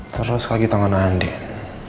terus lagi tangan andien